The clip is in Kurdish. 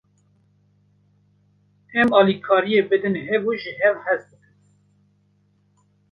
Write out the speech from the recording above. Em alîkariyê bidin hev û ji hev hez bikin.